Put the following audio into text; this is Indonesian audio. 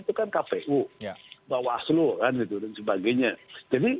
itu kan kpu bawah aslo kan gitu dan sebagainya